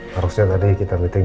harusnya tadi kita meeting